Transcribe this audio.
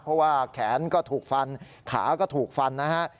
เพราะว่าแขนก็ถูกฟันขาก็ถูกฟันนะฮะ